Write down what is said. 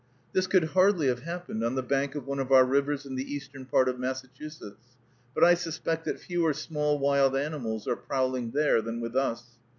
This could hardly have happened on the bank of one of our rivers in the eastern part of Massachusetts; but I suspect that fewer small wild animals are prowling there than with us.